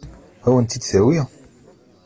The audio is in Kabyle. Ad wen-t-id-tawi?